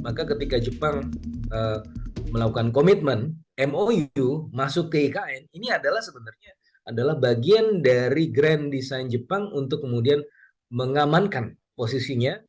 maka ketika jepang melakukan komitmen mou masuk ke ikn ini adalah sebenarnya bagian dari grand design jepang untuk kemudian mengamankan posisinya